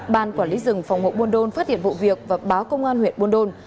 bàn quản lý rừng phòng hộ bồn đôn phát hiện vụ việc và báo công an huyện bồn đôn